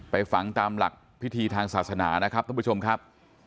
ฝังตามหลักพิธีทางศาสนานะครับท่านผู้ชมครับ